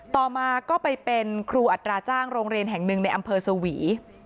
ต่อมาก็ไปเป็นครูอัตราจ้างโรงเรียนแห่งหนึ่งในอำเภอสวี